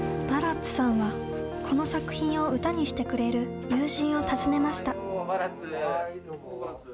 バラッツさんはこの作品を歌にしてくれる友人を訪ねました。